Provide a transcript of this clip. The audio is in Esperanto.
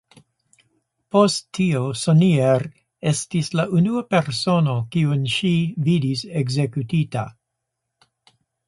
Post tio Sonnier estis la unua persono kiun ŝi vidis ekzekutita.